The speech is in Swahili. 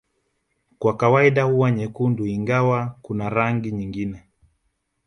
Kwa kawaida huwa nyekundu ingawa kuna rangi nyingine